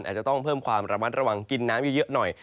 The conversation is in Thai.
อาจจะต้องเพิ่มความระมัดระวังกินน้ำเยอะหน่อย